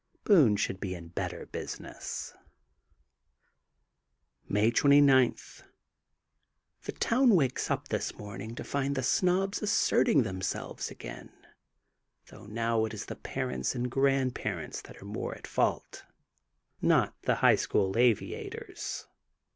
Boone should be in better business. May 29: — The town wakes up this morn ing to find the Snobs asserting themselves again, though now it is the parents and grand 166 THE GOLDEN BOOK OF SPRINGFIELD parents that are more at fault, not the high school aviators.